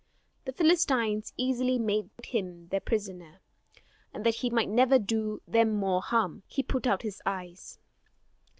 The Philistines easily made him their prisoner; and that he might never do them more harm, they put out his eyes.